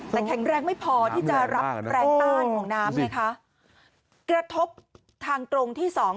แต่แข็งแรงไม่พอที่จะรับแรงต้านของน้ำไงคะกระทบทางตรงที่สอง